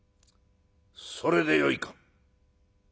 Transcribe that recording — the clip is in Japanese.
それでよいか？」。